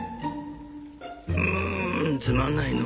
「ウつまんないの。